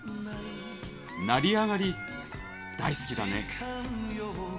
「成りあがり、大好きだね」